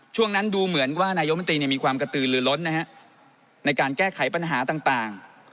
ช่วงนั้นดูเหมือนว่านายกมนตรีมีความกระตือหรือล้นนะฮะในการแก้ไขปัญหาต่าง